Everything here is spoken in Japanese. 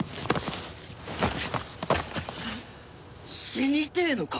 死にてえのか！？